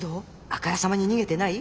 あからさまに逃げてない？